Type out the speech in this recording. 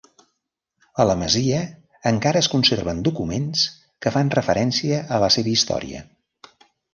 A la masia encara es conserven documents que fan referència a la seva història.